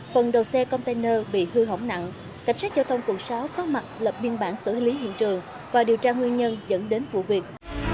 phần đầu xe container bị hư hỏng nặng cảnh sát giao thông quận sáu có mặt lập biên bản xử lý hiện trường và điều tra nguyên nhân dẫn đến vụ việc